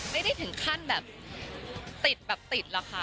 ไม่ได้ถึงขั้นแบบติดแบบติดหรอกค่ะ